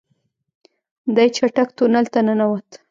دی چټک تونل ته ننوت.